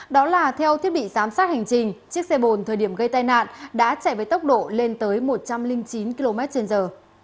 đó là theo thiết bị giám sát hành trình chiếc xe bồn thời điểm gây tai nạn đã chạy với tốc độ lên tới một trăm linh chín km trên giờ